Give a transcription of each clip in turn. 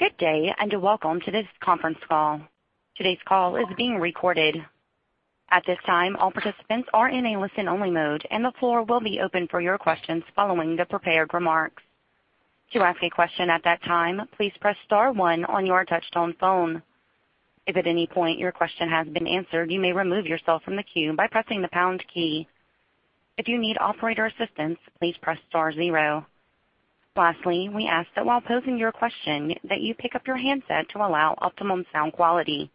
Good day, and welcome to this conference call. Today's call is being recorded. At this time, all participants are in a listen-only mode, and the floor will be open for your questions following the prepared remarks. To ask a question at that time, please press star one on your touch-tone phone. If at any point your question has been answered, you may remove yourself from the queue by pressing the pound key. If you need operator assistance, please press star zero. Lastly, we ask that while posing your question, that you pick up your handset to allow optimum sound quality.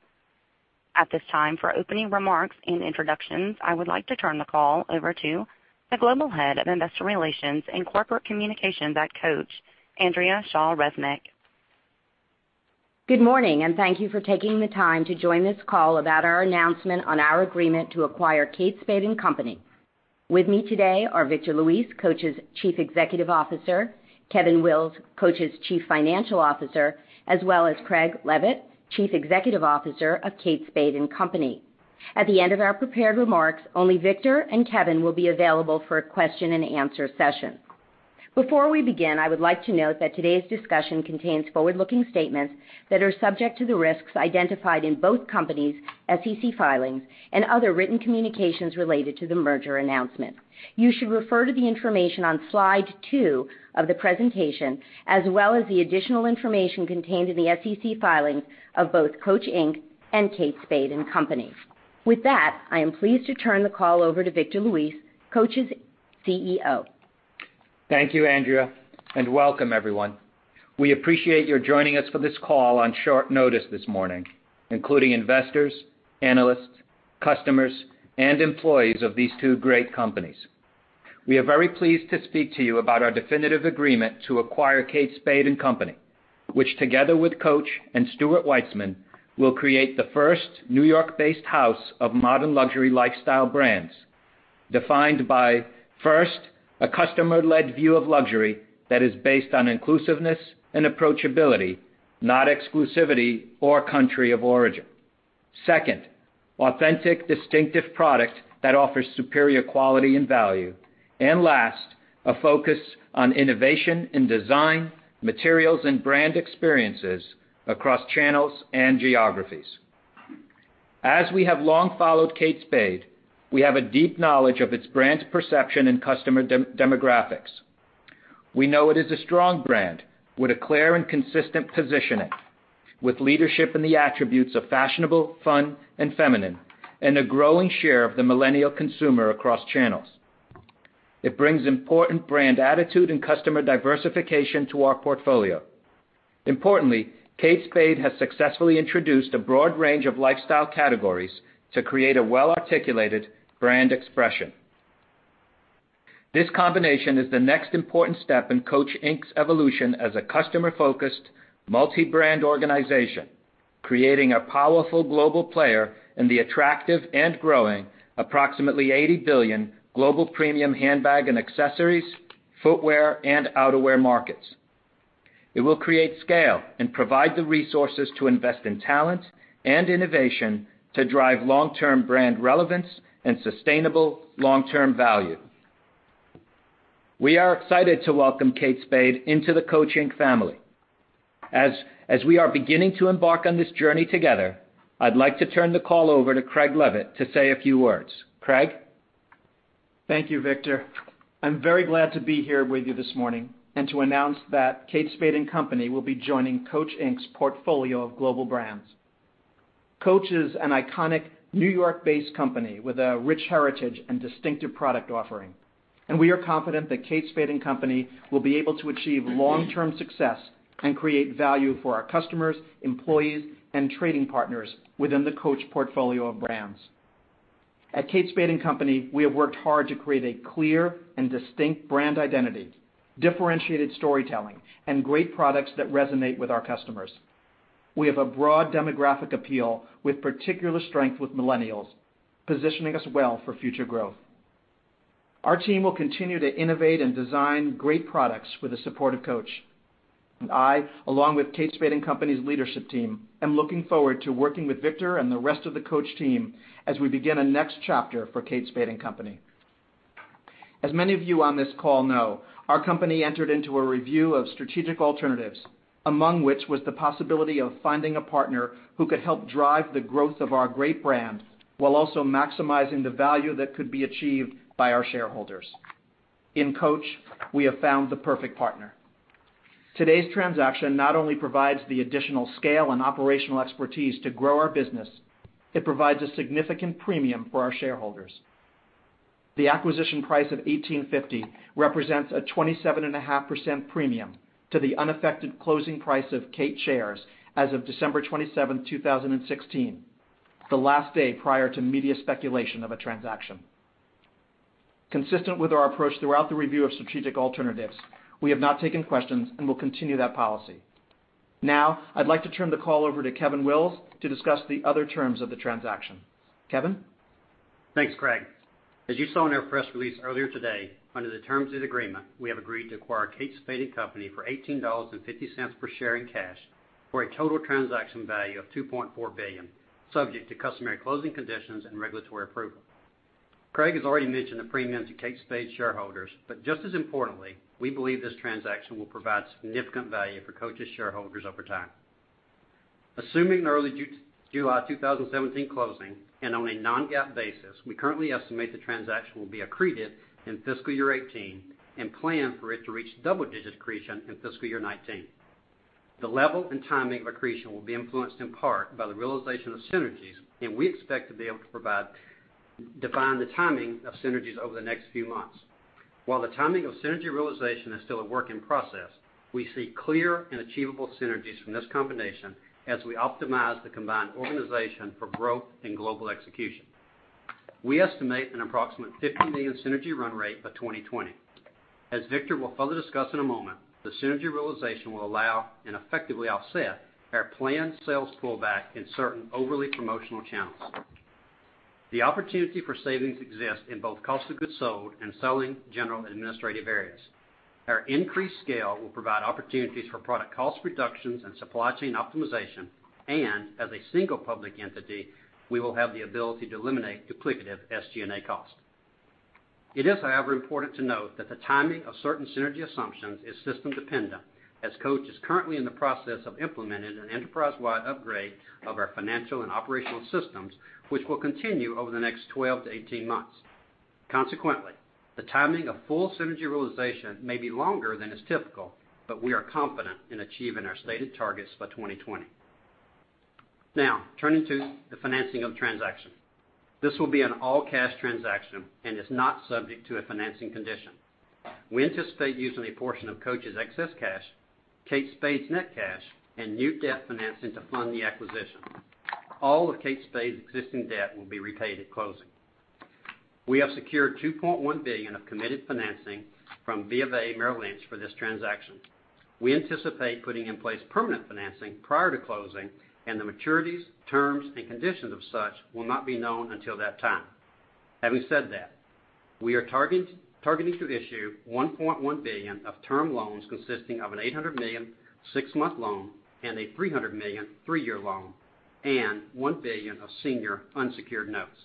At this time, for opening remarks and introductions, I would like to turn the call over to the Global Head of Investor Relations and Corporate Communications at Coach, Andrea Shaw Resnick. Good morning. Thank you for taking the time to join this call about our announcement on our agreement to acquire Kate Spade & Company. With me today are Victor Luis, Coach's Chief Executive Officer, Kevin Wills, Coach's Chief Financial Officer, as well as Craig Leavitt, Chief Executive Officer of Kate Spade & Company. At the end of our prepared remarks, only Victor and Kevin will be available for a question and answer session. Before we begin, I would like to note that today's discussion contains forward-looking statements that are subject to the risks identified in both companies' SEC filings and other written communications related to the merger announcement. You should refer to the information on slide two of the presentation, as well as the additional information contained in the SEC filings of both Coach Inc. and Kate Spade & Company. With that, I am pleased to turn the call over to Victor Luis, Coach's CEO. Thank you, Andrea. Welcome everyone. We appreciate your joining us for this call on short notice this morning, including investors, analysts, customers, and employees of these two great companies. We are very pleased to speak to you about our definitive agreement to acquire Kate Spade & Company, which together with Coach and Stuart Weitzman, will create the first New York-based house of modern luxury lifestyle brands, defined by, first, a customer-led view of luxury that is based on inclusiveness and approachability, not exclusivity or country of origin. Second, authentic, distinctive product that offers superior quality and value. Last, a focus on innovation in design, materials, and brand experiences across channels and geographies. As we have long followed Kate Spade, we have a deep knowledge of its brand perception and customer demographics. We know it is a strong brand with a clear and consistent positioning, with leadership in the attributes of fashionable, fun, and feminine, and a growing share of the millennial consumer across channels. It brings important brand attitude and customer diversification to our portfolio. Importantly, Kate Spade has successfully introduced a broad range of lifestyle categories to create a well-articulated brand expression. This combination is the next important step in Coach, Inc.'s evolution as a customer-focused, multi-brand organization, creating a powerful global player in the attractive and growing approximately $80 billion global premium handbag and accessories, footwear, and outerwear markets. It will create scale and provide the resources to invest in talent and innovation to drive long-term brand relevance and sustainable long-term value. We are excited to welcome Kate Spade into the Coach, Inc. family. We are beginning to embark on this journey together, I'd like to turn the call over to Craig Leavitt to say a few words. Craig? Thank you, Victor. I'm very glad to be here with you this morning to announce that Kate Spade & Company will be joining Coach, Inc.'s portfolio of global brands. Coach is an iconic New York-based company with a rich heritage and distinctive product offering, we are confident that Kate Spade & Company will be able to achieve long-term success and create value for our customers, employees, and trading partners within the Coach portfolio of brands. At Kate Spade & Company, we have worked hard to create a clear and distinct brand identity, differentiated storytelling, and great products that resonate with our customers. We have a broad demographic appeal with particular strength with millennials, positioning us well for future growth. Our team will continue to innovate and design great products with the support of Coach. I, along with Kate Spade & Company's leadership team, am looking forward to working with Victor and the rest of the Coach team as we begin a next chapter for Kate Spade & Company. Many of you on this call know, our company entered into a review of strategic alternatives, among which was the possibility of finding a partner who could help drive the growth of our great brand while also maximizing the value that could be achieved by our shareholders. In Coach, we have found the perfect partner. Today's transaction not only provides the additional scale and operational expertise to grow our business, it provides a significant premium for our shareholders. The acquisition price of $18.50 represents a 27.5% premium to the unaffected closing price of Kate shares as of December 27th, 2016, the last day prior to media speculation of a transaction. Consistent with our approach throughout the review of strategic alternatives, we have not taken questions and will continue that policy. I'd like to turn the call over to Kevin Wills to discuss the other terms of the transaction. Kevin? Thanks, Craig. As you saw in our press release earlier today, under the terms of the agreement, we have agreed to acquire Kate Spade & Company for $18.50 per share in cash for a total transaction value of $2.4 billion, subject to customary closing conditions and regulatory approval. Craig has already mentioned the premium to Kate Spade shareholders. Just as importantly, we believe this transaction will provide significant value for Coach's shareholders over time. Assuming an early July 2017 closing and on a non-GAAP basis, we currently estimate the transaction will be accretive in fiscal year 2018 and plan for it to reach double-digit accretion in fiscal year 2019. The level and timing of accretion will be influenced in part by the realization of synergies, we expect to be able to define the timing of synergies over the next few months. The timing of synergy realization is still a work in process, we see clear and achievable synergies from this combination as we optimize the combined organization for growth and global execution. We estimate an approximate $50 million synergy run rate by 2020. As Victor will further discuss in a moment, the synergy realization will allow and effectively offset our planned sales pullback in certain overly promotional channels. The opportunity for savings exists in both cost of goods sold and selling general and administrative areas. Our increased scale will provide opportunities for product cost reductions and supply chain optimization, and as a single public entity, we will have the ability to eliminate duplicative SG&A costs. It is, however, important to note that the timing of certain synergy assumptions is system dependent, as Coach is currently in the process of implementing an enterprise-wide upgrade of our financial and operational systems, which will continue over the next 12 to 18 months. Consequently, the timing of full synergy realization may be longer than is typical, but we are confident in achieving our stated targets by 2020. Turning to the financing of transaction. This will be an all-cash transaction and is not subject to a financing condition. We anticipate using a portion of Coach's excess cash, Kate Spade's net cash, and new debt financing to fund the acquisition. All of Kate Spade's existing debt will be repaid at closing. We have secured $2.1 billion of committed financing from BofA/Merrill Lynch for this transaction. We anticipate putting in place permanent financing prior to closing, and the maturities, terms, and conditions of such will not be known until that time. Having said that, we are targeting to issue $1.1 billion of term loans consisting of an $800 million, six-month loan and a $300 million, three-year loan, and $1 billion of senior unsecured notes.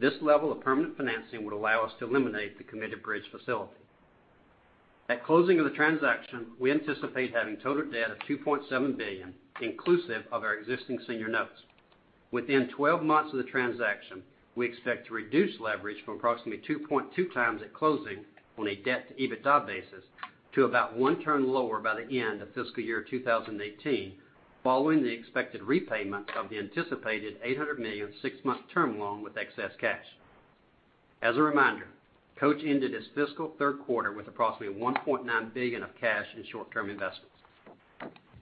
This level of permanent financing would allow us to eliminate the committed bridge facility. At closing of the transaction, we anticipate having total debt of $2.7 billion inclusive of our existing senior notes. Within 12 months of the transaction, we expect to reduce leverage from approximately 2.2 times at closing on a debt-to-EBITDA basis to about one turn lower by the end of fiscal year 2018, following the expected repayment of the anticipated $800 million, six-month term loan with excess cash. As a reminder, Coach ended its fiscal third quarter with approximately $1.9 billion of cash in short-term investments.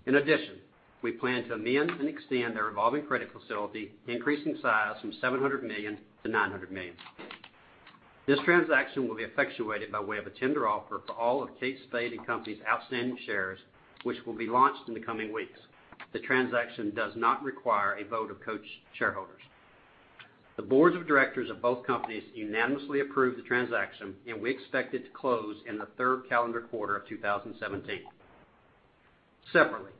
In addition, we plan to amend and extend our revolving credit facility, increasing size from $700 million to $900 million. This transaction will be effectuated by way of a tender offer for all of Kate Spade & Company's outstanding shares, which will be launched in the coming weeks. The transaction does not require a vote of Coach shareholders. The boards of directors of both companies unanimously approved the transaction. We expect it to close in the third calendar quarter of 2017. Separately,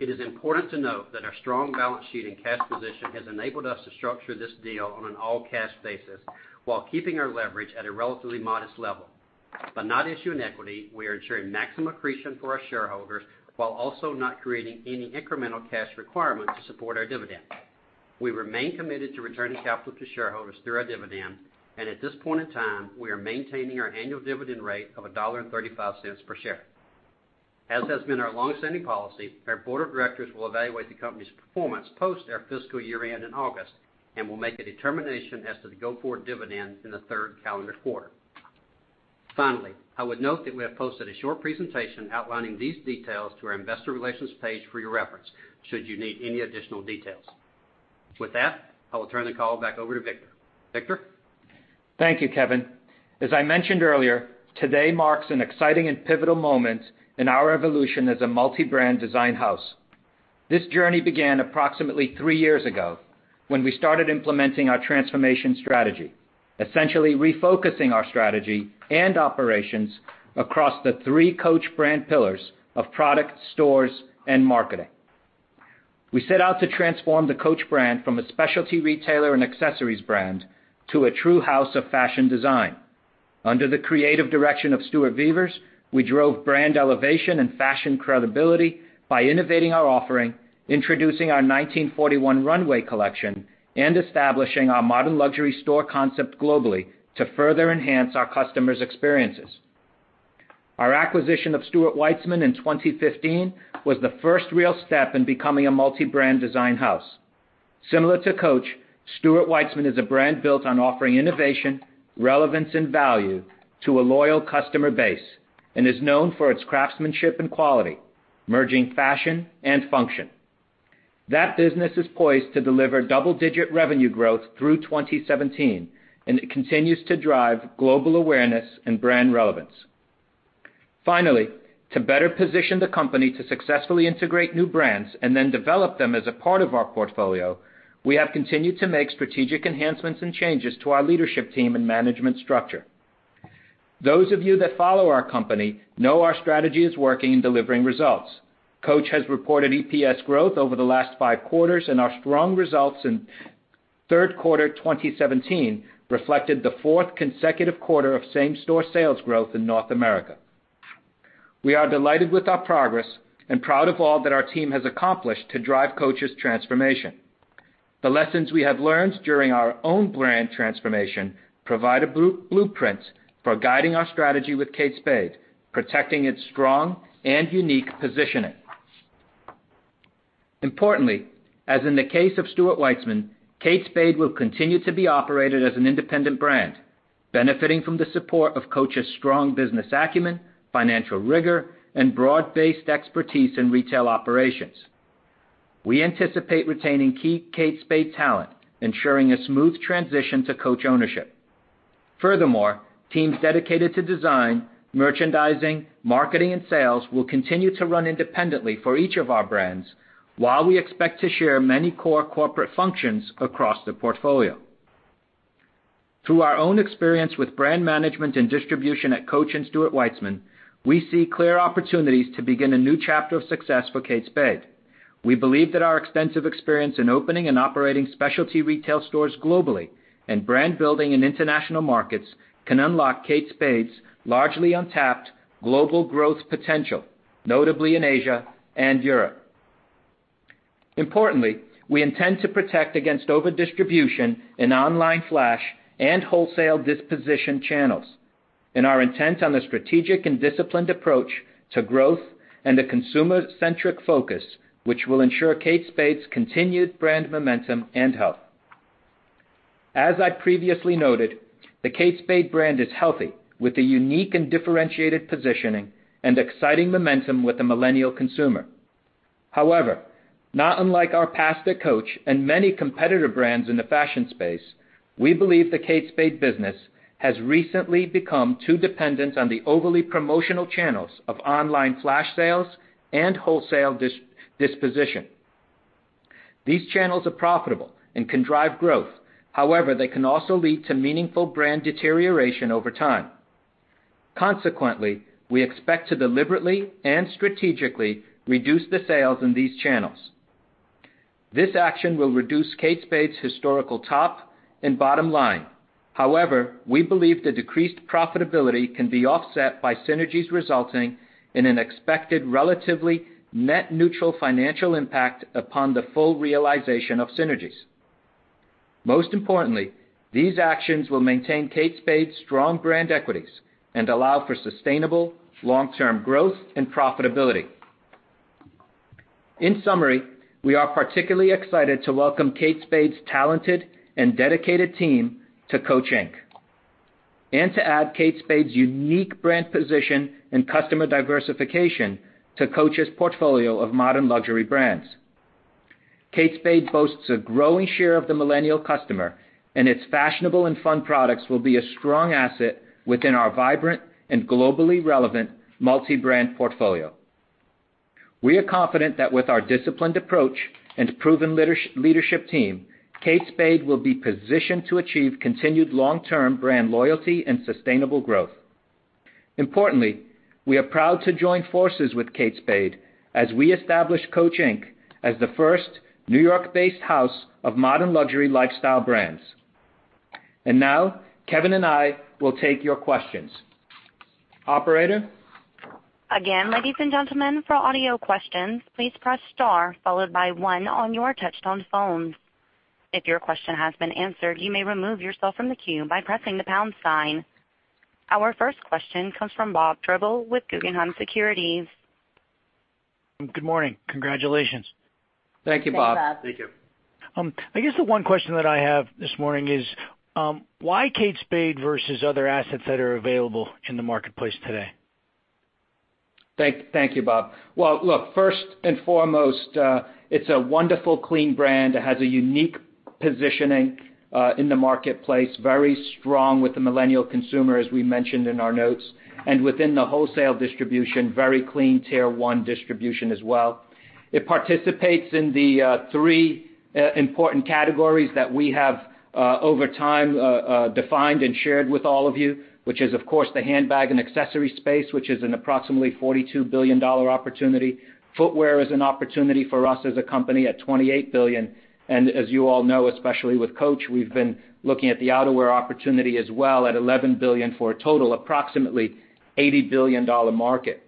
it is important to note that our strong balance sheet and cash position has enabled us to structure this deal on an all-cash basis while keeping our leverage at a relatively modest level. By not issuing equity, we are ensuring maximum accretion for our shareholders while also not creating any incremental cash requirement to support our dividend. We remain committed to returning capital to shareholders through our dividend. At this point in time, we are maintaining our annual dividend rate of $1.35 per share. As has been our longstanding policy, our board of directors will evaluate the company's performance post our fiscal year-end in August and will make a determination as to the go-forward dividend in the third calendar quarter. Finally, I would note that we have posted a short presentation outlining these details to our investor relations page for your reference should you need any additional details. With that, I will turn the call back over to Victor. Victor? Thank you, Kevin. As I mentioned earlier, today marks an exciting and pivotal moment in our evolution as a multi-brand design house. This journey began approximately three years ago when we started implementing our transformation strategy, essentially refocusing our strategy and operations across the three Coach brand pillars of product, stores, and marketing. We set out to transform the Coach brand from a specialty retailer and accessories brand to a true house of fashion design. Under the creative direction of Stuart Vevers, we drove brand elevation and fashion credibility by innovating our offering, introducing our 1941 runway collection, and establishing our modern luxury store concept globally to further enhance our customers' experiences. Our acquisition of Stuart Weitzman in 2015 was the first real step in becoming a multi-brand design house. Similar to Coach, Stuart Weitzman is a brand built on offering innovation, relevance, and value to a loyal customer base and is known for its craftsmanship and quality, merging fashion and function. It continues to drive global awareness and brand relevance. Finally, to better position the company to successfully integrate new brands and then develop them as a part of our portfolio, we have continued to make strategic enhancements and changes to our leadership team and management structure. Those of you that follow our company know our strategy is working in delivering results. Coach has reported EPS growth over the last five quarters. Our strong results in third quarter 2017 reflected the fourth consecutive quarter of same-store sales growth in North America. We are delighted with our progress and proud of all that our team has accomplished to drive Coach's transformation. The lessons we have learned during our own brand transformation provide blueprints for guiding our strategy with Kate Spade, protecting its strong and unique positioning. Importantly, as in the case of Stuart Weitzman, Kate Spade will continue to be operated as an independent brand, benefiting from the support of Coach's strong business acumen, financial rigor, and broad-based expertise in retail operations. We anticipate retaining key Kate Spade talent, ensuring a smooth transition to Coach ownership. Furthermore, teams dedicated to design, merchandising, marketing, and sales will continue to run independently for each of our brands while we expect to share many core corporate functions across the portfolio. Through our own experience with brand management and distribution at Coach and Stuart Weitzman, we see clear opportunities to begin a new chapter of success for Kate Spade. We believe that our extensive experience in opening and operating specialty retail stores globally and brand building in international markets can unlock Kate Spade's largely untapped global growth potential, notably in Asia and Europe. Importantly, we intend to protect against over-distribution in online flash and wholesale disposition channels. Are intent on the strategic and disciplined approach to growth and a consumer-centric focus, which will ensure Kate Spade's continued brand momentum and health. As I previously noted, the Kate Spade brand is healthy, with a unique and differentiated positioning and exciting momentum with the millennial consumer. However, not unlike our past at Coach and many competitor brands in the fashion space, we believe the Kate Spade business has recently become too dependent on the overly promotional channels of online flash sales and wholesale disposition. These channels are profitable and can drive growth. However, they can also lead to meaningful brand deterioration over time. Consequently, we expect to deliberately and strategically reduce the sales in these channels. This action will reduce Kate Spade's historical top and bottom line. However, we believe the decreased profitability can be offset by synergies resulting in an expected relatively net neutral financial impact upon the full realization of synergies. Most importantly, these actions will maintain Kate Spade's strong brand equities and allow for sustainable long-term growth and profitability. In summary, we are particularly excited to welcome Kate Spade's talented and dedicated team to Coach Inc. To add Kate Spade's unique brand position and customer diversification to Coach's portfolio of modern luxury brands. Kate Spade boasts a growing share of the millennial customer, its fashionable and fun products will be a strong asset within our vibrant and globally relevant multi-brand portfolio. We are confident that with our disciplined approach and proven leadership team, Kate Spade will be positioned to achieve continued long-term brand loyalty and sustainable growth. Importantly, we are proud to join forces with Kate Spade as we establish Coach Inc. as the first New York-based house of modern luxury lifestyle brands. Now Kevin and I will take your questions. Operator? Again, ladies and gentlemen, for audio questions, please press star followed by one on your touchtone phones. If your question has been answered, you may remove yourself from the queue by pressing the pound sign. Our first question comes from Bob Drbul with Guggenheim Securities. Good morning. Congratulations. Thank you, Bob. Thanks, Bob. Thank you. I guess the one question that I have this morning is why Kate Spade versus other assets that are available in the marketplace today? Thank you, Bob. Well, look, first and foremost, it's a wonderful, clean brand that has a unique positioning in the marketplace, very strong with the millennial consumer, as we mentioned in our notes, and within the wholesale distribution, very clean tier 1 distribution as well. It participates in the three important categories that we have over time defined and shared with all of you, which is, of course, the handbag and accessory space, which is an approximately $42 billion opportunity. Footwear is an opportunity for us as a company at $28 billion. As you all know, especially with Coach, we've been looking at the outerwear opportunity as well at $11 billion for a total approximately $80 billion market.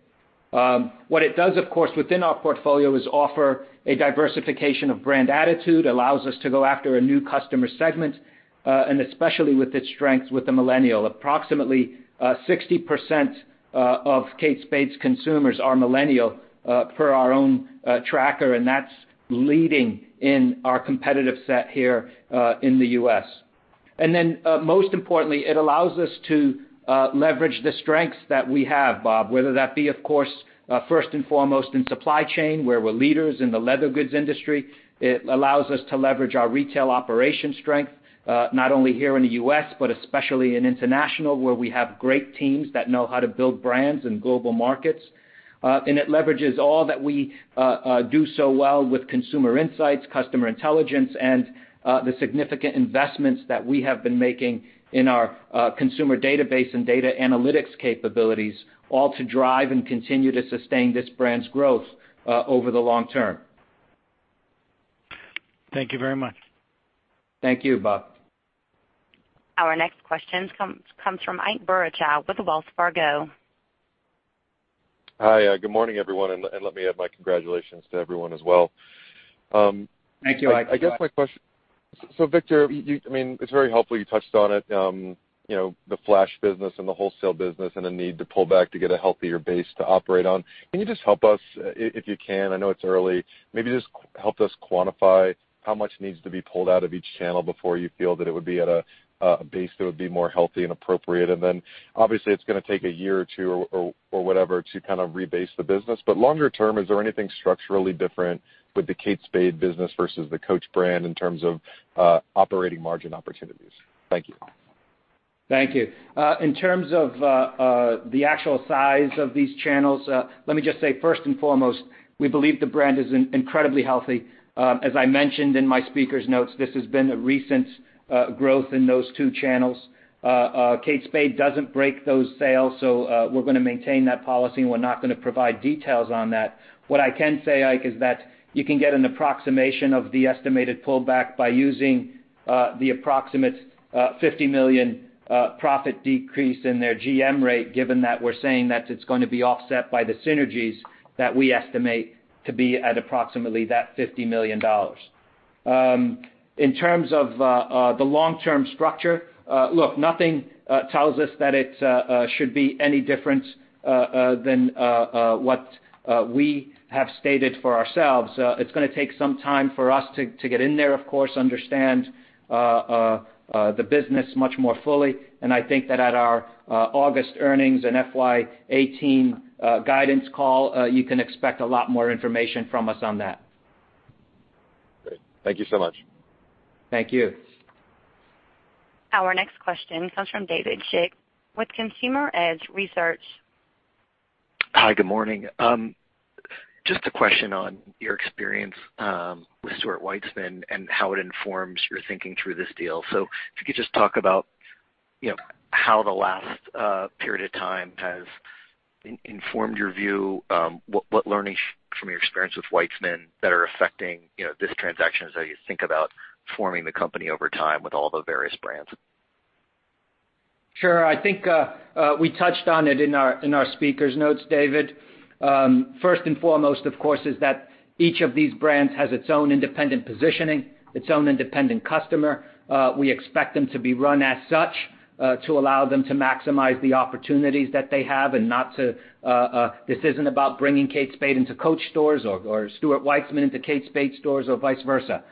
What it does, of course, within our portfolio is offer a diversification of brand attitude, allows us to go after a new customer segment, and especially with its strength with the millennial. Approximately 60% of Kate Spade's consumers are millennial per our own tracker, and that's leading in our competitive set here in the U.S. Most importantly, it allows us to leverage the strengths that we have, Bob, whether that be, of course, first and foremost in supply chain, where we're leaders in the leather goods industry. It allows us to leverage our retail operation strength not only here in the U.S., but especially in international, where we have great teams that know how to build brands in global markets. It leverages all that we do so well with consumer insights, customer intelligence, and the significant investments that we have been making in our consumer database and data analytics capabilities, all to drive and continue to sustain this brand's growth over the long term. Thank you very much. Thank you, Bob. Our next question comes from Ike Boruchow with Wells Fargo. Hi. Good morning, everyone, let me add my congratulations to everyone as well. Thank you, Ike. Victor, it's very helpful you touched on it, the flash business and the wholesale business, and the need to pull back to get a healthier base to operate on. Can you just help us, if you can, I know it's early, maybe just help us quantify how much needs to be pulled out of each channel before you feel that it would be at a base that would be more healthy and appropriate? Longer term, is there anything structurally different with the Kate Spade business versus the Coach brand in terms of operating margin opportunities? Thank you. Thank you. In terms of the actual size of these channels, let me just say, first and foremost, we believe the brand is incredibly healthy. As I mentioned in my speaker's notes, this has been a recent growth in those two channels. Kate Spade doesn't break those sales, we're going to maintain that policy, and we're not going to provide details on that. What I can say, Ike, is that you can get an approximation of the estimated pullback by using the approximate $50 million profit decrease in their GM rate, given that we're saying that it's going to be offset by the synergies that we estimate to be at approximately that $50 million. In terms of the long-term structure, look, nothing tells us that it should be any different than what we have stated for ourselves. It's going to take some time for us to get in there, of course, understand the business much more fully. I think that at our August earnings and FY 2018 guidance call, you can expect a lot more information from us on that. Great. Thank you so much. Thank you. Our next question comes from David Schick with Consumer Edge Research. Hi, good morning. Just a question on your experience with Stuart Weitzman and how it informs your thinking through this deal. If you could just talk about how the last period of time has informed your view. What learnings from your experience with Weitzman that are affecting this transaction as you think about forming the company over time with all the various brands? Sure. I think we touched on it in our speaker's notes, David. First and foremost, of course, is that each of these brands has its own independent positioning, its own independent customer. We expect them to be run as such to allow them to maximize the opportunities that they have. This isn't about bringing Kate Spade into Coach stores or Stuart Weitzman into Kate Spade stores or vice versa.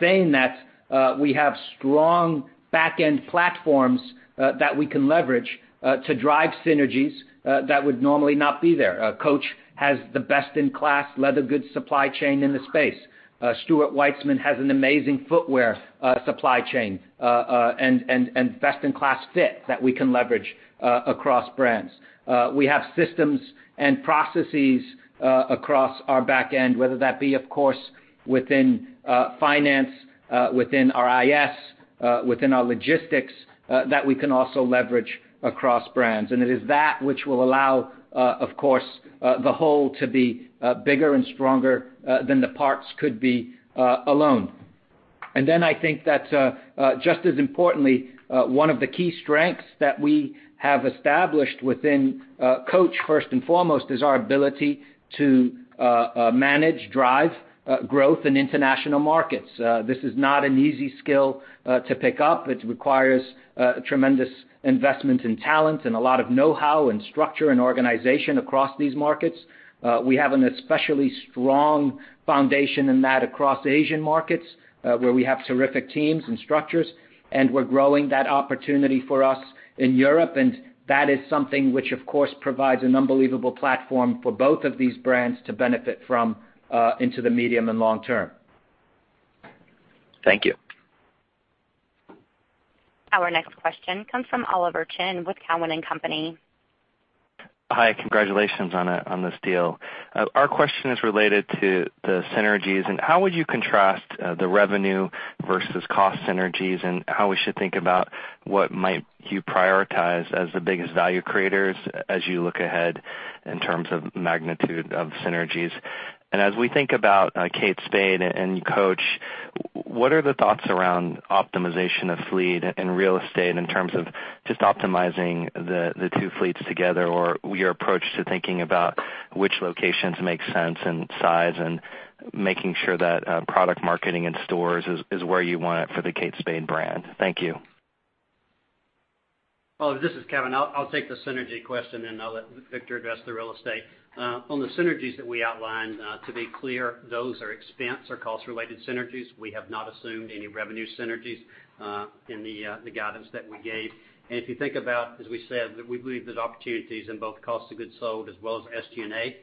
Saying that, we have strong back-end platforms that we can leverage to drive synergies that would normally not be there. Coach has the best-in-class leather goods supply chain in the space. Stuart Weitzman has an amazing footwear supply chain and best-in-class fit that we can leverage across brands. We have systems and processes across our back end, whether that be, of course, within finance, within our IT, within our logistics, that we can also leverage across brands. It is that which will allow, of course, the whole to be bigger and stronger than the parts could be alone. I think that just as importantly, one of the key strengths that we have established within Coach, first and foremost, is our ability to manage, drive growth in international markets. This is not an easy skill to pick up. It requires tremendous investment in talent and a lot of know-how and structure and organization across these markets. We have an especially strong foundation in that across Asian markets, where we have terrific teams and structures, and we're growing that opportunity for us in Europe. That is something which, of course, provides an unbelievable platform for both of these brands to benefit from into the medium and long term. Thank you. Our next question comes from Oliver Chen with Cowen and Company. Hi, congratulations on this deal. How would you contrast the revenue versus cost synergies, and how we should think about what might you prioritize as the biggest value creators as you look ahead in terms of magnitude of synergies? As we think about Kate Spade and Coach, what are the thoughts around optimization of fleet and real estate in terms of just optimizing the two fleets together or your approach to thinking about which locations make sense and size and making sure that product marketing in stores is where you want it for the Kate Spade brand? Thank you. Well, this is Kevin. I'll take the synergy question, and I'll let Victor address the real estate. On the synergies that we outlined, to be clear, those are expense or cost-related synergies. We have not assumed any revenue synergies in the guidance that we gave. If you think about, as we said, that we believe there's opportunities in both cost of goods sold as well as SG&A.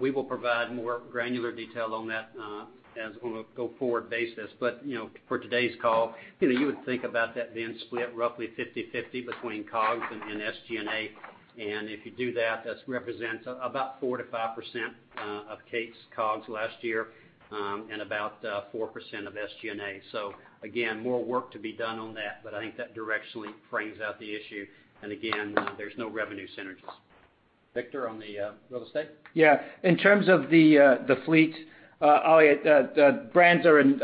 We will provide more granular detail on that on a go-forward basis. For today's call, you would think about that being split roughly 50/50 between COGS and SG&A. If you do that represents about 4%-5% of Kate's COGS last year and about 4% of SG&A. Again, more work to be done on that, but I think that directionally frames out the issue. Again, there's no revenue synergies. Victor, on the real estate? Yeah. In terms of the fleet, Oli, the brands are in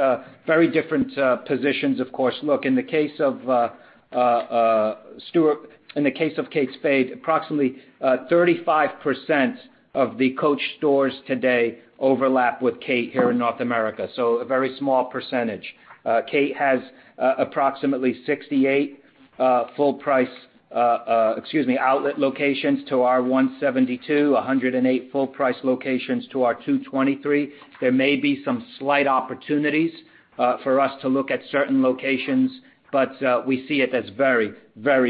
very different positions, of course. Look, in the case of Stuart, in the case of Kate Spade, approximately 35% of the Coach stores today overlap with Kate here in North America, so a very small percentage. Kate has approximately 68 outlet locations to our 172, 108 full price locations to our 223. There may be some slight opportunities for us to look at certain locations, but we see it as very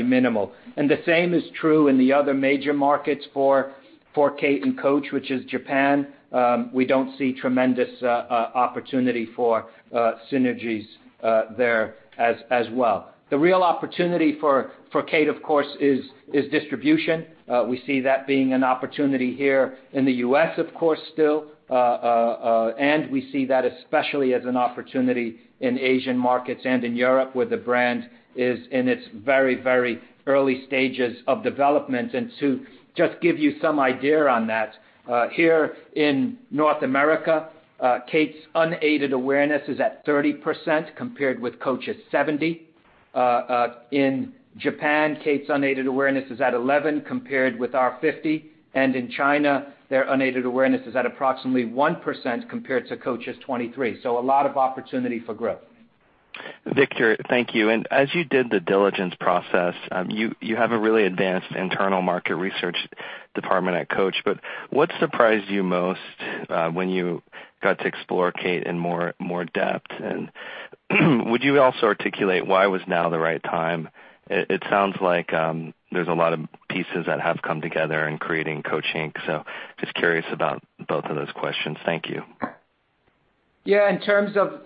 minimal. The same is true in the other major markets for Kate and Coach, which is Japan. We don't see tremendous opportunity for synergies there as well. The real opportunity for Kate, of course, is distribution. We see that being an opportunity here in the U.S., of course, still. We see that especially as an opportunity in Asian markets and in Europe where the brand is in its very early stages of development. To just give you some idea on that, here in North America, Kate's unaided awareness is at 30%, compared with Coach's 70. In Japan, Kate's unaided awareness is at 11, compared with our 50. In China, their unaided awareness is at approximately 1%, compared to Coach's 23. A lot of opportunity for growth. Victor, thank you. As you did the diligence process, you have a really advanced internal market research department at Coach, what surprised you most when you got to explore Kate in more depth? Would you also articulate why was now the right time? It sounds like there's a lot of pieces that have come together in creating Coach, Inc. Just curious about both of those questions. Thank you. Yeah. In terms of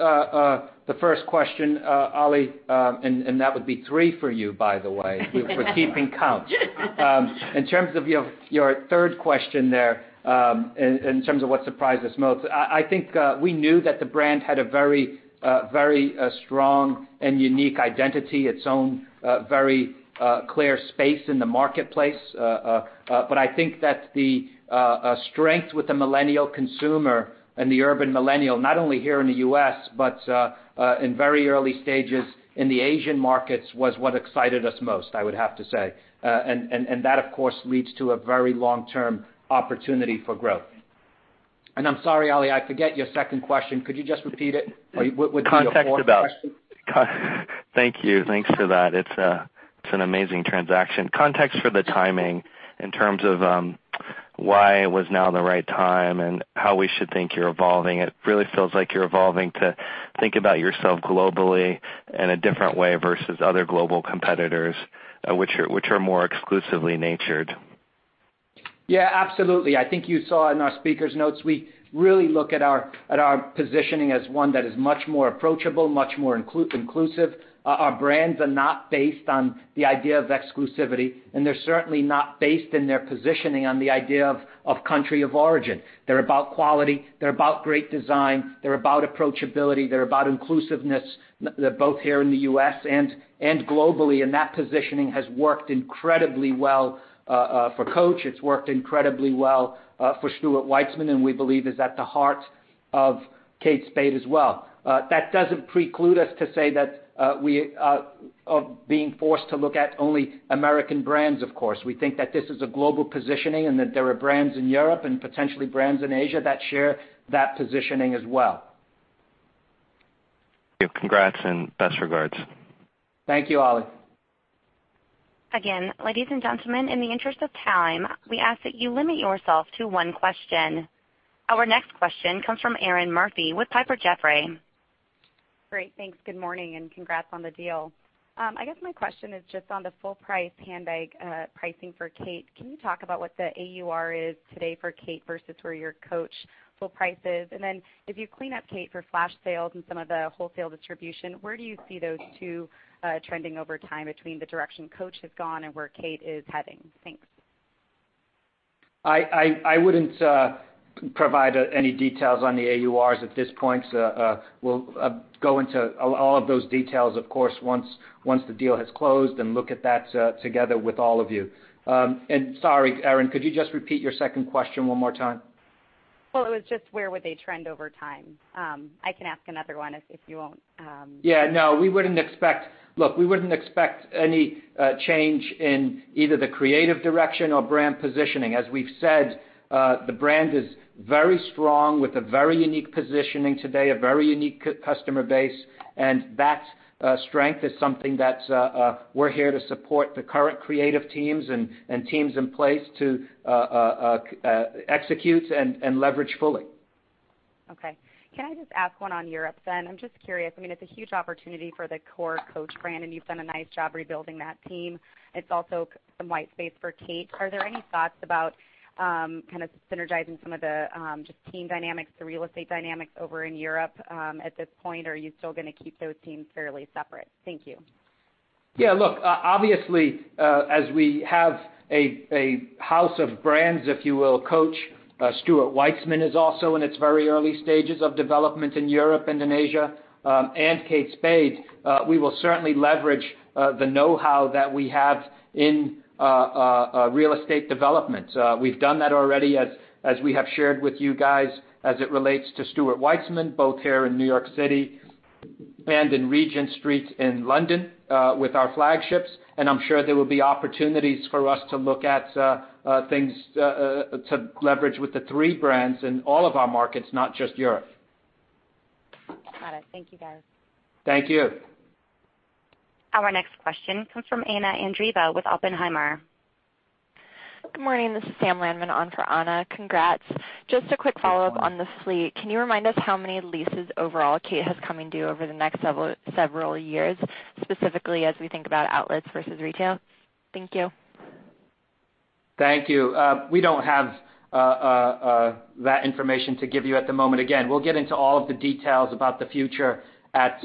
the first question, Oli, that would be three for you, by the way. We were keeping count. In terms of your third question there, in terms of what surprised us most, I think we knew that the brand had a very strong and unique identity, its own very clear space in the marketplace. I think that the strength with the millennial consumer and the urban millennial, not only here in the U.S., but in very early stages in the Asian markets, was what excited us most, I would have to say. That, of course, leads to a very long-term opportunity for growth. I'm sorry, Oli, I forget your second question. Could you just repeat it? Or would you- Context about- a fourth question? Thank you. Thanks for that. It's an amazing transaction. Context for the timing in terms of why was now the right time and how we should think you're evolving. It really feels like you're evolving to think about yourself globally in a different way versus other global competitors, which are more exclusively natured. Yeah, absolutely. I think you saw in our speakers notes, we really look at our positioning as one that is much more approachable, much more inclusive. Our brands are not based on the idea of exclusivity, and they're certainly not based in their positioning on the idea of country of origin. They're about quality, they're about great design, they're about approachability, they're about inclusiveness, both here in the U.S. and globally, and that positioning has worked incredibly well for Coach. It's worked incredibly well for Stuart Weitzman, and we believe is at the heart of Kate Spade as well. That doesn't preclude us to say that we are being forced to look at only American brands, of course. We think that this is a global positioning and that there are brands in Europe and potentially brands in Asia that share that positioning as well. Congrats and best regards. Thank you, Oli. ladies and gentlemen, in the interest of time, we ask that you limit yourself to one question. Our next question comes from Erinn Murphy with Piper Jaffray. Great. Thanks. Good morning, congrats on the deal. I guess my question is just on the full price handbag pricing for Kate. Can you talk about what the AUR is today for Kate versus where your Coach full price is? If you clean up Kate for flash sales and some of the wholesale distribution, where do you see those two trending over time between the direction Coach has gone and where Kate is heading? Thanks. I wouldn't provide any details on the AURs at this point. We'll go into all of those details, of course, once the deal has closed and look at that together with all of you. Sorry, Erinn, could you just repeat your second question one more time? It was just where would they trend over time? I can ask another one if you won't. Yeah. Look, we wouldn't expect any change in either the creative direction or brand positioning. As we've said, the brand is very strong with a very unique positioning today, a very unique customer base, and that strength is something that we're here to support the current creative teams and teams in place to execute and leverage fully. Okay. Can I just ask one on Europe then? I'm just curious. It's a huge opportunity for the core Coach brand, and you've done a nice job rebuilding that team. It's also some white space for Kate. Are there any thoughts about synergizing some of the just team dynamics, the real estate dynamics over in Europe at this point, or are you still going to keep those teams fairly separate? Thank you. Yeah. Look, obviously, as we have a house of brands, if you will, Coach, Stuart Weitzman is also in its very early stages of development in Europe, Indonesia, and Kate Spade, we will certainly leverage the knowhow that we have in real estate development. We've done that already as we have shared with you guys as it relates to Stuart Weitzman, both here in New York City and in Regent Street in London, with our flagships. I'm sure there will be opportunities for us to look at things to leverage with the three brands in all of our markets, not just Europe. Got it. Thank you, guys. Thank you. Our next question comes from Anna Andreeva with Oppenheimer. Good morning. This is Sam Landman on for Anna. Congrats. Just a quick follow-up on the fleet. Can you remind us how many leases overall Kate has coming due over the next several years, specifically as we think about outlets versus retail? Thank you. Thank you. We don't have that information to give you at the moment. Again, we'll get into all of the details about the future at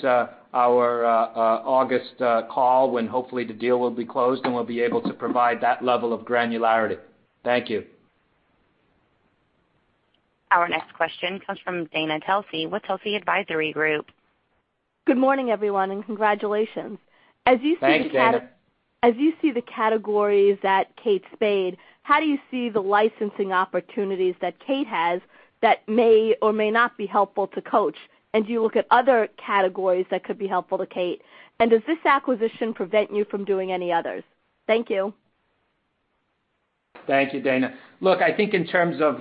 our August call, when hopefully the deal will be closed, and we'll be able to provide that level of granularity. Thank you. Our next question comes from Dana Telsey with Telsey Advisory Group. Good morning, everyone, and congratulations. Thanks, Dana. As you see the categories at Kate Spade, how do you see the licensing opportunities that Kate has that may or may not be helpful to Coach? Do you look at other categories that could be helpful to Kate? Does this acquisition prevent you from doing any others? Thank you. Thank you, Dana. Look, I think in terms of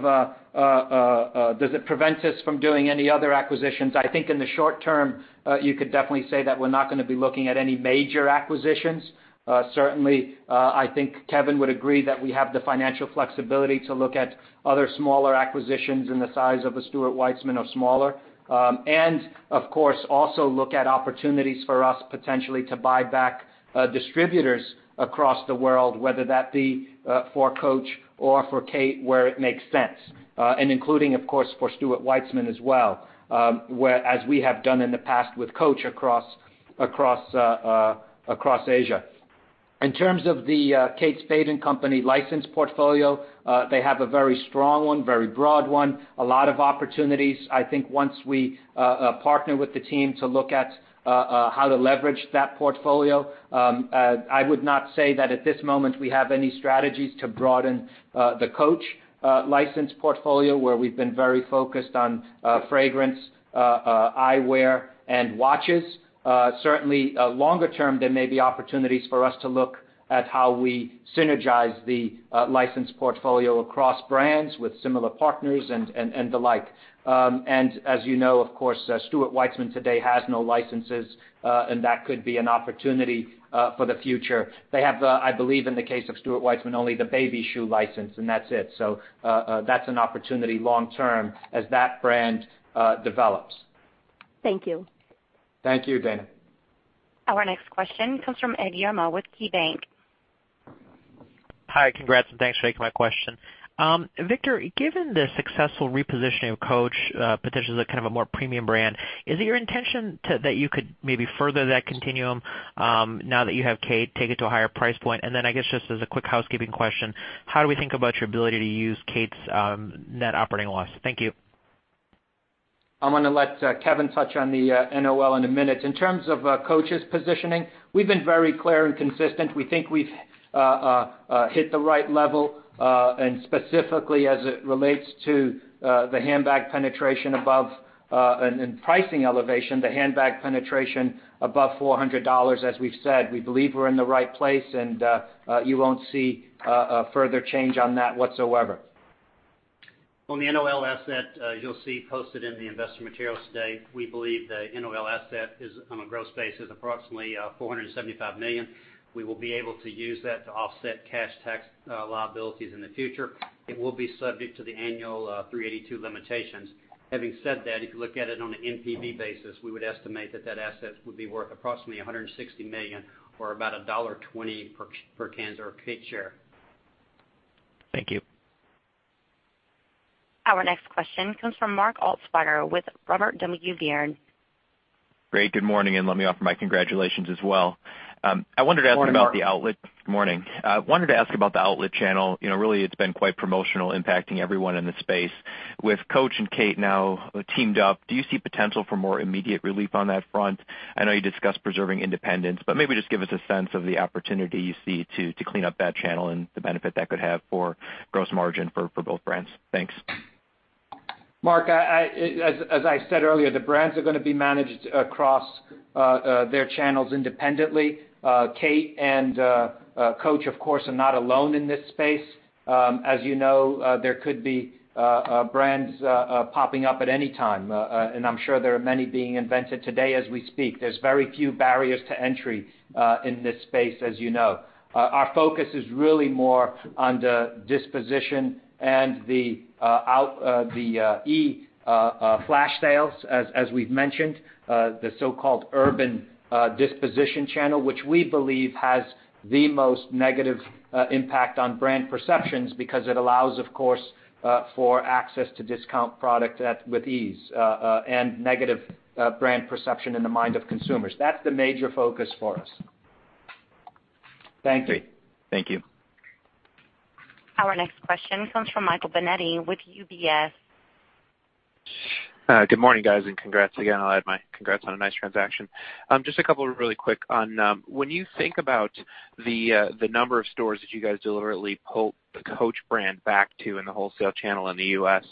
does it prevent us from doing any other acquisitions, I think in the short term, you could definitely say that we're not going to be looking at any major acquisitions. Certainly, I think Kevin would agree that we have the financial flexibility to look at other smaller acquisitions in the size of a Stuart Weitzman or smaller. Of course, also look at opportunities for us potentially to buy back distributors across the world, whether that be for Coach or for Kate, where it makes sense. Including, of course, for Stuart Weitzman as well, as we have done in the past with Coach across Asia. In terms of the Kate Spade & Company license portfolio, they have a very strong one, very broad one, a lot of opportunities. I think once we partner with the team to look at how to leverage that portfolio. I would not say that at this moment we have any strategies to broaden the Coach license portfolio where we've been very focused on fragrance, eyewear, and watches. Certainly, longer term, there may be opportunities for us to look at how we synergize the license portfolio across brands with similar partners and the like. As you know, of course, Stuart Weitzman today has no licenses, and that could be an opportunity for the future. They have, I believe in the case of Stuart Weitzman, only the baby shoe license, and that's it. That's an opportunity long-term as that brand develops. Thank you. Thank you, Dana. Our next question comes from Edward Yruma with KeyBank. Hi. Congrats, and thanks for taking my question. Victor, given the successful repositioning of Coach potentially as a kind of a more premium brand, is it your intention that you could maybe further that continuum, now that you have Kate, take it to a higher price point? I guess just as a quick housekeeping question, how do we think about your ability to use Kate's net operating loss? Thank you. I'm going to let Kevin touch on the NOL in a minute. In terms of Coach's positioning, we've been very clear and consistent. We think we've hit the right level, and specifically as it relates to the handbag penetration above and pricing elevation, the handbag penetration above $400, as we've said. We believe we're in the right place, you won't see a further change on that whatsoever. On the NOL asset, you'll see posted in the investor materials today, we believe the NOL asset on a gross basis is approximately $475 million. We will be able to use that to offset cash tax liabilities in the future. It will be subject to the annual 382 limitations. Having said that, if you look at it on an NPV basis, we would estimate that asset would be worth approximately $160 million or about $1.20 per Kate or Kate share. Thank you. Our next question comes from Mark Altschwiler with Robert W. Baird. Great, good morning, and let me offer my congratulations as well. Good morning, Mark. Morning. I wanted to ask about the outlet channel. Really, it's been quite promotional, impacting everyone in the space. With Coach and Kate now teamed up, do you see potential for more immediate relief on that front? I know you discussed preserving independence, but maybe just give us a sense of the opportunity you see to clean up that channel and the benefit that could have for gross margin for both brands. Thanks. Mark, as I said earlier, the brands are going to be managed across their channels independently. Kate and Coach, of course, are not alone in this space. As you know, there could be brands popping up at any time, and I'm sure there are many being invented today as we speak. There's very few barriers to entry in this space, as you know. Our focus is really more on the disposition and the e-flash sales, as we've mentioned. The so-called urban disposition channel, which we believe has the most negative impact on brand perceptions because it allows, of course, for access to discount product with ease and negative brand perception in the mind of consumers. That's the major focus for us. Thank you. Thank you. Our next question comes from Michael Binetti with UBS. Good morning, guys, and congrats again. I'll add my congrats on a nice transaction. Just a couple of really quick on, when you think about the number of stores that you guys deliberately pulled the Coach brand back to in the wholesale channel in the U.S.,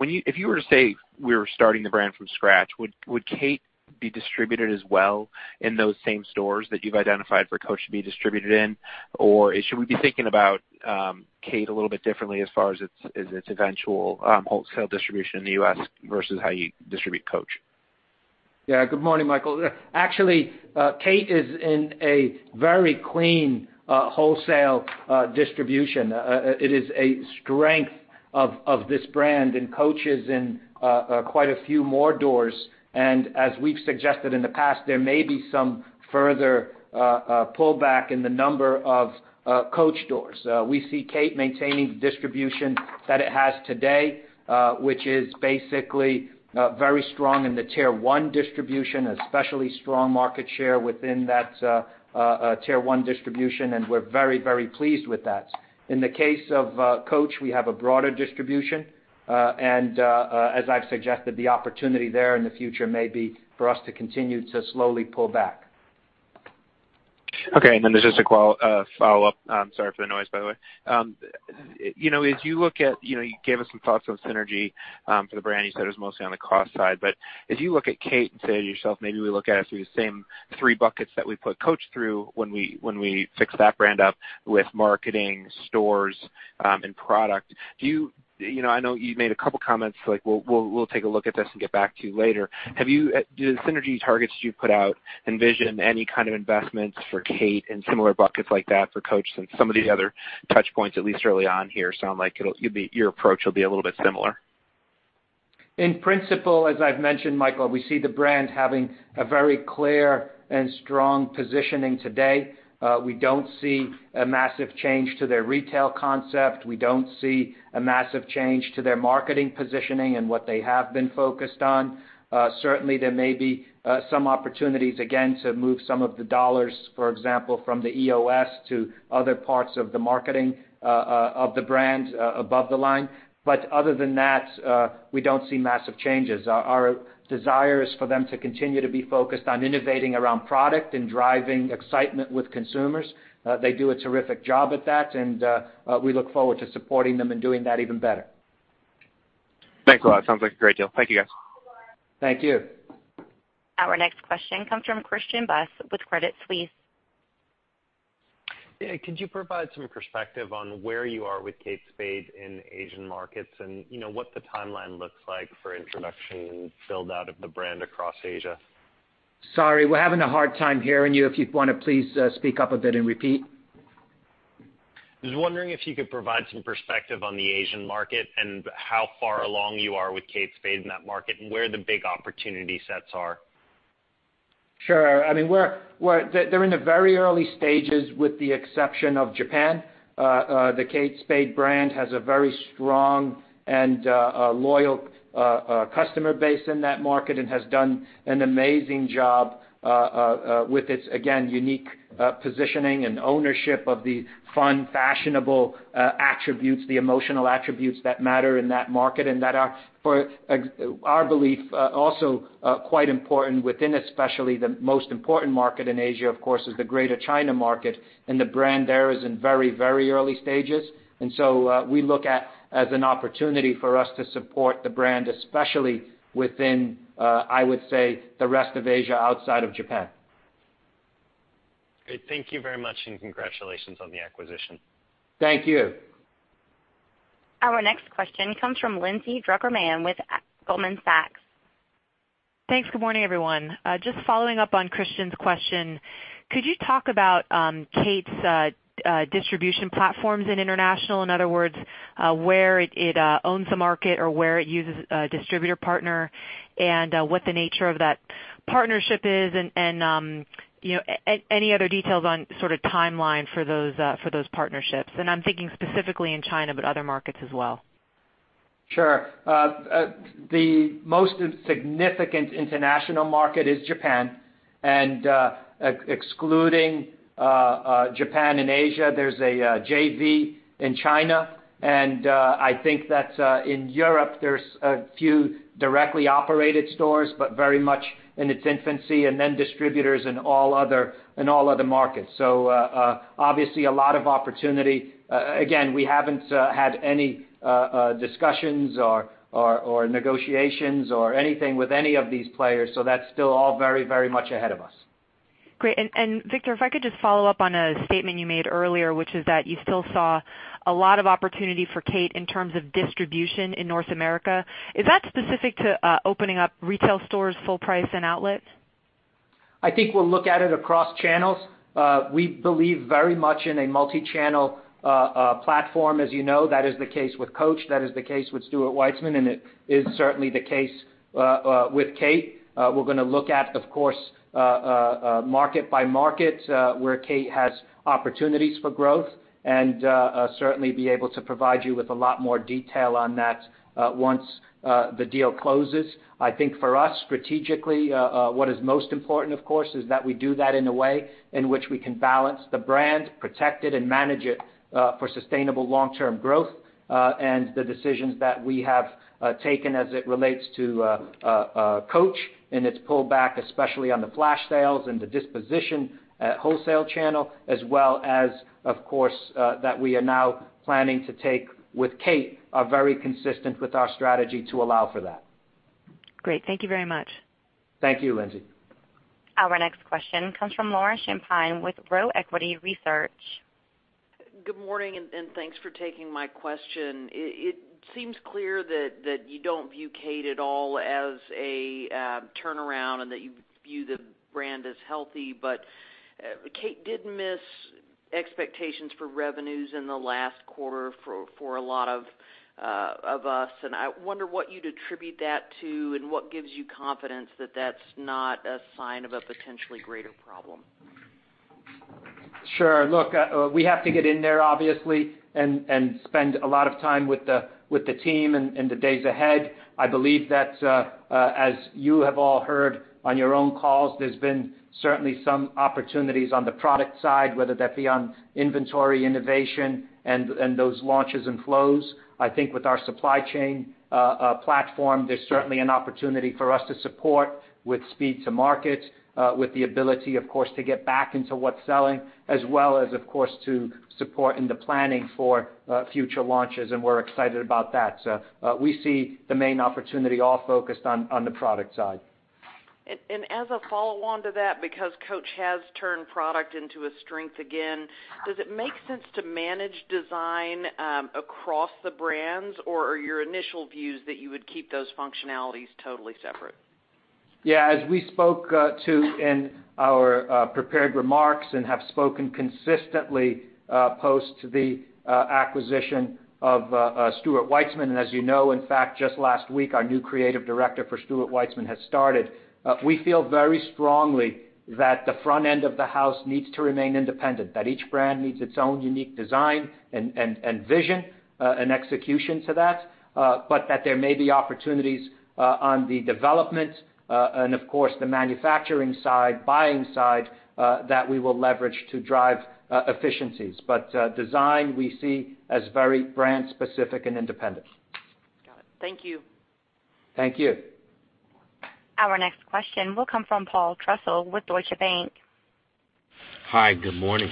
if you were to say we were starting the brand from scratch, would Kate be distributed as well in those same stores that you've identified for Coach to be distributed in? Or should we be thinking about Kate a little bit differently as far as its eventual wholesale distribution in the U.S. versus how you distribute Coach? Yeah. Good morning, Michael. Actually, Kate is in a very clean wholesale distribution. It is a strength of this brand, and Coach is in quite a few more doors. As we've suggested in the past, there may be some further pullback in the number of Coach doors. We see Kate maintaining the distribution that it has today, which is basically very strong in the tier 1 distribution, especially strong market share within that tier 1 distribution, and we're very pleased with that. In the case of Coach, we have a broader distribution. As I've suggested, the opportunity there in the future may be for us to continue to slowly pull back. Okay. There's just a follow-up. I'm sorry for the noise by the way. You gave us some thoughts on synergy for the brand. You said it was mostly on the cost side, but as you look at Kate and say to yourself, "Maybe we look at it through the same three buckets that we put Coach through when we fixed that brand up with marketing, stores, and product." I know you made a couple comments, like, "We'll take a look at this and get back to you later." Do the synergy targets you put out envision any kind of investments for Kate in similar buckets like that for Coach since some of the other touch points, at least early on here, sound like your approach will be a little bit similar? In principle, as I've mentioned, Michael, we see the brand having a very clear and strong positioning today. We don't see a massive change to their retail concept. We don't see a massive change to their marketing positioning and what they have been focused on. Certainly, there may be some opportunities again to move some of the dollars, for example, from the EOS to other parts of the marketing of the brand above the line. Other than that, we don't see massive changes. Our desire is for them to continue to be focused on innovating around product and driving excitement with consumers. They do a terrific job at that, and we look forward to supporting them and doing that even better. Thanks a lot. Sounds like a great deal. Thank you, guys. Thank you. Our next question comes from Christian Buss with Credit Suisse. Yeah, could you provide some perspective on where you are with Kate Spade in Asian markets, and what the timeline looks like for introduction and build-out of the brand across Asia? Sorry, we're having a hard time hearing you. If you want to please speak up a bit and repeat. I was wondering if you could provide some perspective on the Asian market and how far along you are with Kate Spade in that market, where the big opportunity sets are. Sure. They're in the very early stages with the exception of Japan. The Kate Spade brand has a very strong and loyal customer base in that market and has done an amazing job with its, again, unique positioning and ownership of the fun, fashionable attributes, the emotional attributes that matter in that market, that are, for our belief, also quite important within especially the most important market in Asia, of course, is the greater China market. The brand there is in very early stages. So we look at as an opportunity for us to support the brand, especially within, I would say, the rest of Asia outside of Japan. Great. Thank you very much, congratulations on the acquisition. Thank you. Our next question comes from Lindsay Drucker Mann with Goldman Sachs. Thanks. Good morning, everyone. Just following up on Christian's question, could you talk about Kate's distribution platforms in international? In other words, where it owns the market or where it uses a distributor partner, and what the nature of that partnership is and any other details on sort of timeline for those partnerships. I'm thinking specifically in China, but other markets as well. Sure. The most significant international market is Japan. Excluding Japan and Asia, there's a JV in China, I think that in Europe there's a few directly operated stores, but very much in its infancy, and then distributors in all other markets. Obviously a lot of opportunity. Again, we haven't had any discussions or negotiations or anything with any of these players, that's still all very much ahead of us. Great. Victor, if I could just follow up on a statement you made earlier, which is that you still saw a lot of opportunity for Kate in terms of distribution in North America. Is that specific to opening up retail stores, full price and outlet? I think we'll look at it across channels. We believe very much in a multi-channel platform. As you know, that is the case with Coach, that is the case with Stuart Weitzman, it is certainly the case with Kate. We're going to look at, of course, market by market, where Kate has opportunities for growth, and certainly be able to provide you with a lot more detail on that once the deal closes. I think for us, strategically, what is most important, of course, is that we do that in a way in which we can balance the brand, protect it, and manage it for sustainable long-term growth. The decisions that we have taken as it relates to Coach and its pullback, especially on the flash sales and the disposition at wholesale channel, as well as, of course, that we are now planning to take with Kate, are very consistent with our strategy to allow for that. Great. Thank you very much. Thank you, Lindsay. Our next question comes from Laura Champine with Roe Equity Research. Good morning. Thanks for taking my question. It seems clear that you don't view Kate at all as a turnaround and that you view the brand as healthy. Kate did miss expectations for revenues in the last quarter for a lot of us. I wonder what you'd attribute that to and what gives you confidence that that's not a sign of a potentially greater problem. Sure. Look, we have to get in there, obviously, and spend a lot of time with the team in the days ahead. I believe that, as you have all heard on your own calls, there's been certainly some opportunities on the product side, whether that be on inventory innovation and those launches and flows. I think with our supply chain platform, there's certainly an opportunity for us to support with speed to market, with the ability, of course, to get back into what's selling, as well as, of course, to support in the planning for future launches, and we're excited about that. We see the main opportunity all focused on the product side. As a follow-on to that, because Coach has turned product into a strength again, does it make sense to manage design across the brands, or are your initial views that you would keep those functionalities totally separate? As we spoke to in our prepared remarks and have spoken consistently post the acquisition of Stuart Weitzman, and as you know, in fact, just last week, our new creative director for Stuart Weitzman has started. We feel very strongly that the front end of the house needs to remain independent, that each brand needs its own unique design and vision and execution to that. That there may be opportunities on the development and, of course, the manufacturing side, buying side, that we will leverage to drive efficiencies. Design, we see as very brand specific and independent. Got it. Thank you. Thank you. Our next question will come from Paul Trussell with Deutsche Bank. Hi. Good morning.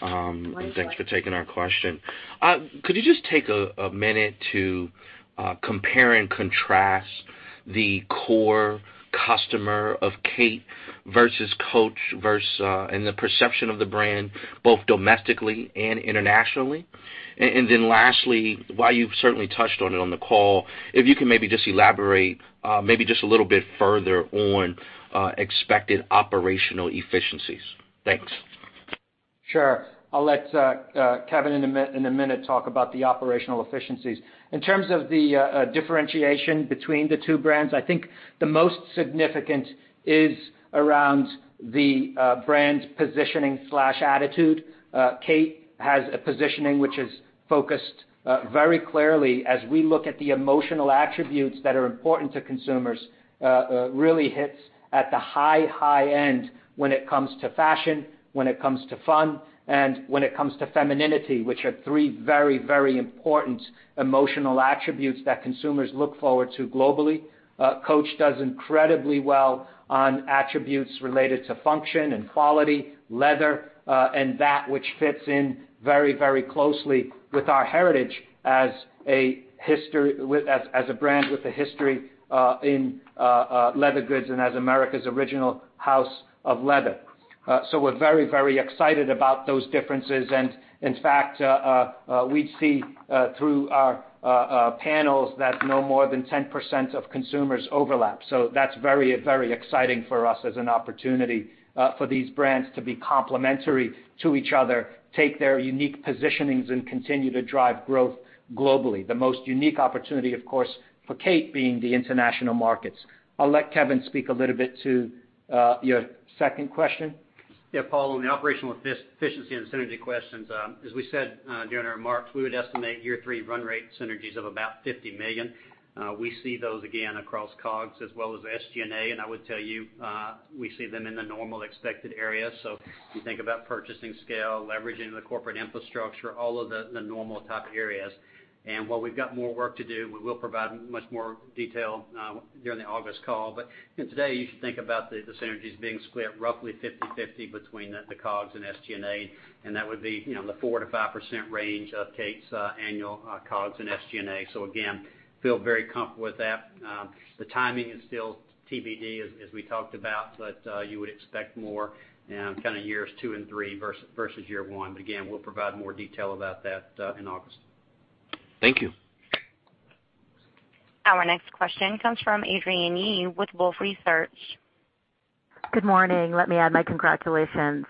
Morning, Paul. Thanks for taking our question. Could you just take a minute to compare and contrast the core customer of Kate versus Coach versus the perception of the brand, both domestically and internationally? Then lastly, while you've certainly touched on it on the call, if you can maybe just elaborate a little bit further on expected operational efficiencies. Thanks. Sure. I'll let Kevin Wills, in a minute, talk about the operational efficiencies. In terms of the differentiation between the two brands, I think the most significant is around the brand positioning/attitude. Kate Spade has a positioning which is focused very clearly as we look at the emotional attributes that are important to consumers, really hits at the high end when it comes to fashion, when it comes to fun, and when it comes to femininity, which are three very important emotional attributes that consumers look forward to globally. Coach does incredibly well on attributes related to function and quality, leather, and that which fits in very closely with our heritage as a brand with a history in leather goods and as America's original house of leather. We're very excited about those differences. In fact, we see through our panels that no more than 10% of consumers overlap. That's very exciting for us as an opportunity for these brands to be complementary to each other, take their unique positionings, and continue to drive growth globally. The most unique opportunity, of course, for Kate Spade being the international markets. I'll let Kevin Wills speak a little bit to your second question. Yeah, Paul Trussell, on the operational efficiency and synergy questions, as we said during our remarks, we would estimate year three run rate synergies of about $50 million. We see those again across COGS as well as SG&A, and I would tell you, we see them in the normal expected areas. If you think about purchasing scale, leveraging the corporate infrastructure, all of the normal type areas. While we've got more work to do, we will provide much more detail during the August call. Today, you should think about the synergies being split roughly 50/50 between the COGS and SG&A. That would be the 4%-5% range of Kate Spade's annual COGS and SG&A. Again, feel very comfortable with that. The timing is still TBD, as we talked about, but you would expect more kind of years two and three versus year one. Again, we'll provide more detail about that in August. Thank you. Our next question comes from Adrienne Yih with Wolfe Research. Good morning. Let me add my congratulations.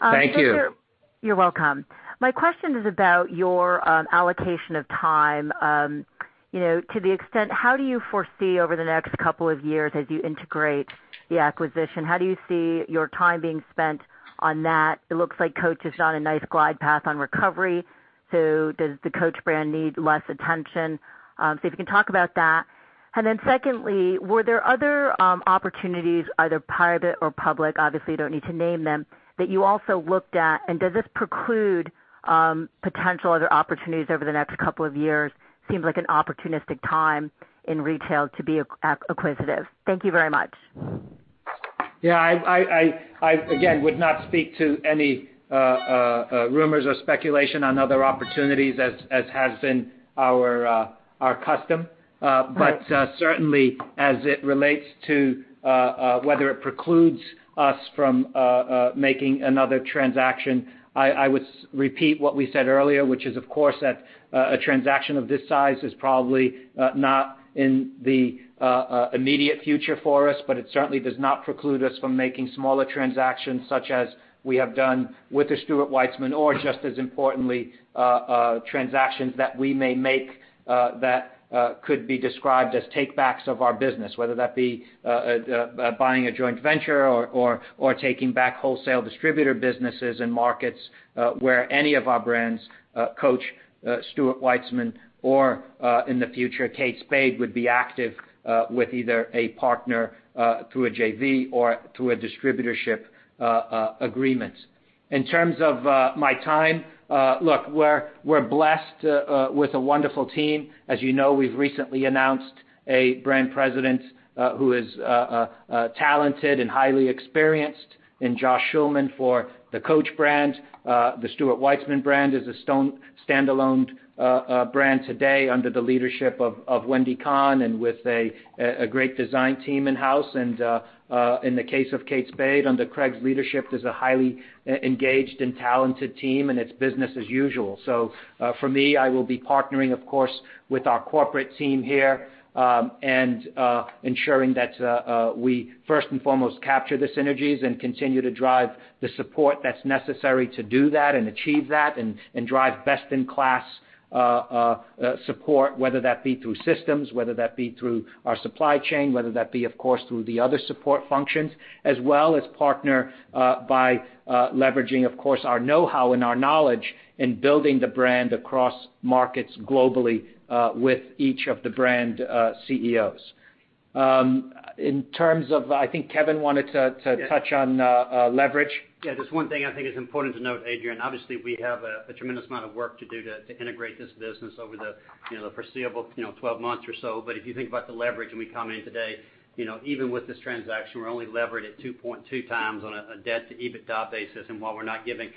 Thank you. You're welcome. My question is about your allocation of time. To the extent, how do you foresee over the next 2 years as you integrate the acquisition, how do you see your time being spent on that? It looks like Coach is on a nice glide path on recovery, does the Coach brand need less attention? If you can talk about that. Secondly, were there other opportunities, either private or public, obviously, you don't need to name them, that you also looked at, and does this preclude potential other opportunities over the next 2 years? Seems like an opportunistic time in retail to be acquisitive. Thank you very much. Yeah. I, again, would not speak to any rumors or speculation on other opportunities as has been our custom. Certainly, as it relates to whether it precludes us from making another transaction, I would repeat what we said earlier, which is, of course, that a transaction of this size is probably not in the immediate future for us. It certainly does not preclude us from making smaller transactions such as we have done with the Stuart Weitzman or just as importantly, transactions that we may make that could be described as take-backs of our business. Whether that be buying a joint venture or taking back wholesale distributor businesses in markets where any of our brands, Coach, Stuart Weitzman, or, in the future, Kate Spade, would be active with either a partner through a JV or through a distributorship agreement. In terms of my time, look, we're blessed with a wonderful team. As you know, we've recently announced a brand president who is talented and highly experienced in Joshua Schulman for the Coach brand. The Stuart Weitzman brand is a standalone brand today under the leadership of Wendy Kahn, and with a great design team in-house. In the case of Kate Spade, under Craig's leadership, there's a highly engaged and talented team, and it's business as usual. For me, I will be partnering, of course, with our corporate team here, and ensuring that we first and foremost capture the synergies and continue to drive the support that's necessary to do that and achieve that. Drive best-in-class support, whether that be through systems, whether that be through our supply chain, whether that be, of course, through the other support functions. As well as partner by leveraging, of course, our knowhow and our knowledge in building the brand across markets globally with each of the brand CEOs. In terms of, I think Kevin wanted to touch on leverage. Just one thing I think is important to note, Adrienne. Obviously, we have a tremendous amount of work to do to integrate this business over the foreseeable 12 months or so. If you think about the leverage and we comment today, even with this transaction, we're only levered at 2.2 times on a debt-to-EBITDA basis. While we're not giving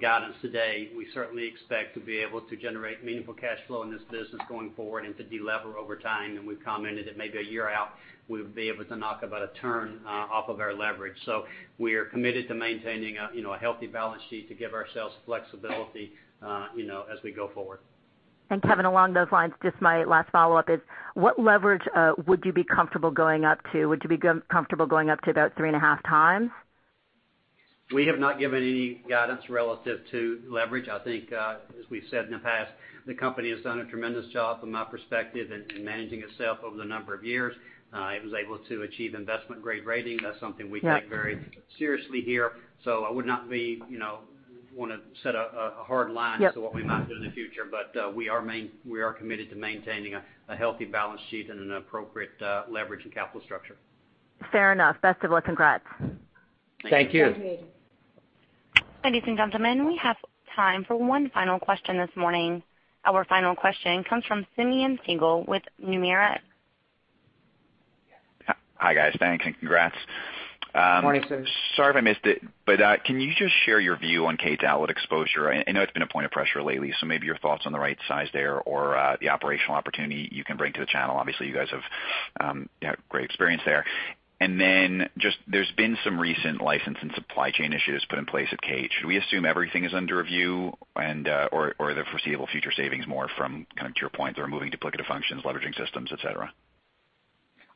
guidance today, we certainly expect to be able to generate meaningful cash flow in this business going forward and to de-lever over time. We've commented that maybe a year out, we would be able to knock about a turn off of our leverage. We are committed to maintaining a healthy balance sheet to give ourselves flexibility as we go forward. Kevin, along those lines, just my last follow-up is, what leverage would you be comfortable going up to? Would you be comfortable going up to about three and a half times? We have not given any guidance relative to leverage. I think, as we've said in the past, the company has done a tremendous job from my perspective in managing itself over the number of years. It was able to achieve investment-grade rating. That's something we take very seriously here. I would not want to set a hard line as to what we might do in the future. We are committed to maintaining a healthy balance sheet and an appropriate leverage and capital structure. Fair enough. Best of luck. Congrats. Thank you. Thank you. Ladies and gentlemen, we have time for one final question this morning. Our final question comes from Simeon Siegel with Nomura. Hi, guys. Thanks, and congrats. Morning, Simeon. Sorry if I missed it, can you just share your view on Kate's outlet exposure? I know it's been a point of pressure lately, so maybe your thoughts on the right size there or the operational opportunity you can bring to the channel. Obviously, you guys have great experience there. Then just there's been some recent license and supply chain issues put in place at Kate. Should we assume everything is under review or the foreseeable future savings more from kind of to your point, they're moving duplicative functions, leveraging systems, et cetera?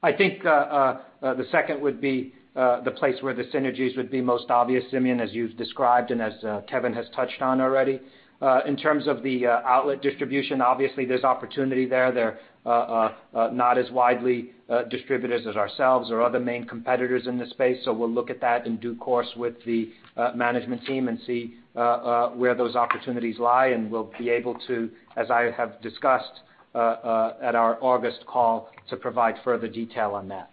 I think the second would be the place where the synergies would be most obvious, Simeon, as you've described and as Kevin has touched on already. In terms of the outlet distribution, obviously there's opportunity there. They're not as widely distributed as ourselves or other main competitors in this space. We'll look at that in due course with the management team and see where those opportunities lie, and we'll be able to, as I have discussed at our August call, to provide further detail on that.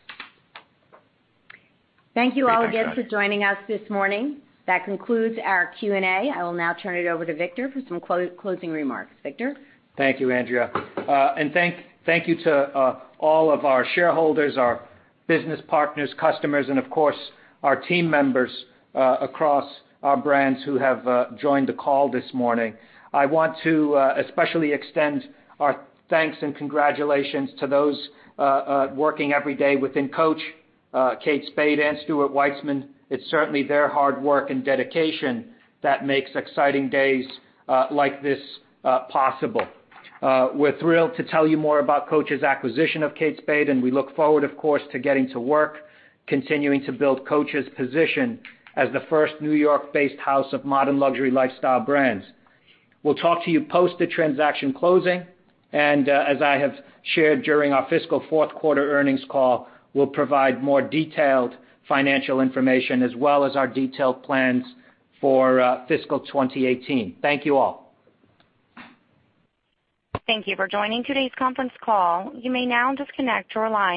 Thank you all again for joining us this morning. That concludes our Q&A. I will now turn it over to Victor for some closing remarks. Victor? Thank you, Andrea. Thank you to all of our shareholders, our business partners, customers, and of course, our team members across our brands who have joined the call this morning. I want to especially extend our thanks and congratulations to those working every day within Coach, Kate Spade, and Stuart Weitzman. It's certainly their hard work and dedication that makes exciting days like this possible. We're thrilled to tell you more about Coach's acquisition of Kate Spade, and we look forward, of course, to getting to work, continuing to build Coach's position as the first New York-based house of modern luxury lifestyle brands. We'll talk to you post the transaction closing, and as I have shared during our fiscal fourth quarter earnings call, we'll provide more detailed financial information as well as our detailed plans for fiscal 2018. Thank you all. Thank you for joining today's conference call. You may now disconnect your line.